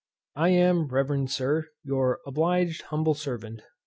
I am, Reverend Sir, Your obliged humble Servant, WM.